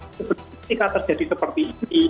itu berarti tidak terjadi seperti ini